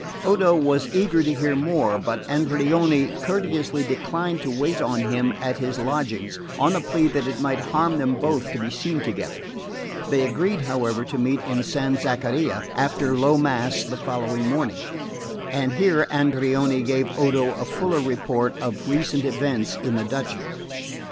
Odo was eager to hear more; but Andreoni courteously declined to wait on him at his lodgings, on the plea that it might harm them both to be seen together. They agreed, however, to meet in San Zaccaria after low mass the next morning, and here Andreoni gave Odo a fuller report of recent events in the duchy.